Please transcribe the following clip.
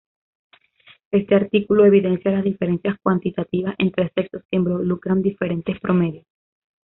Este artículo evidencia las diferencias cuantitativas entre sexos que involucran diferentes promedios.